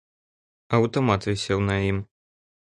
Аўтамат вісеў на ім.